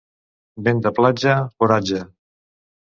Vent de platja, oratge.